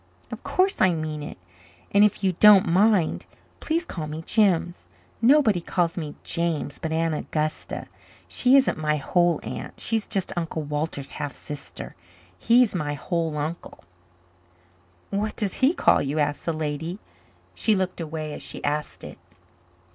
"Of course I mean it. And, if you don't mind, please call me Jims. Nobody calls me James but Aunt Augusta. She isn't my whole aunt. She is just Uncle Walter's half sister. He is my whole uncle." "What does he call you?" asked the lady. She looked away as she asked it.